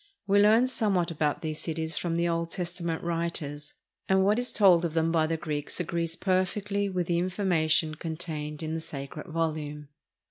We learn somewhat about these cities from the Old Testament writers, and what is told of them by the Greeks agrees perfectly with the information contained in the sacred volume.